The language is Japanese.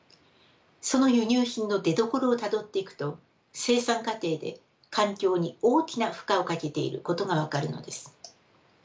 その輸入品の出どころをたどっていくと生産過程で環境に大きな負荷をかけていることが分かるのです。